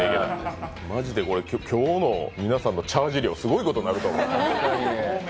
まじでこれ、今日の皆さんのチャージ料、すごいことになると思うよ。